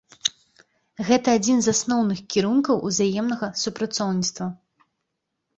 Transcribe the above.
Гэта адзін з асноўных кірункаў узаемнага супрацоўніцтва.